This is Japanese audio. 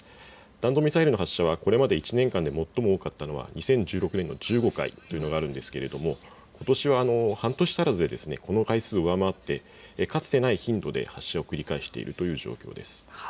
弾道ミサイルの発射はこれまで１年間で最も多かったのは２０１６年の１５回、ことしは半年足らずでこの回数を上回ってかつてない頻度で発射を繰り返しているという状況です。